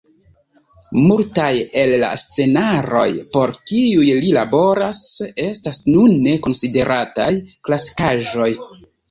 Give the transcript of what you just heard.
Multaj el la scenaroj por kiuj li laboris estas nune konsiderataj klasikaĵoj.